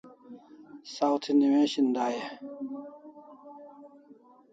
Saw thi newishin dai e?